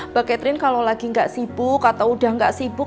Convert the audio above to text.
mbak catherine kalau lagi nggak sibuk atau udah nggak sibuk